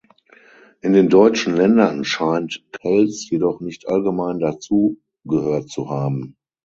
In den deutschen Ländern scheint Pelz jedoch nicht allgemein dazu gehört zu haben.